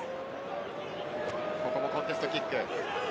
ここもコンテストキック。